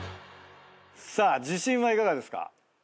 さあ自信はいかがですか？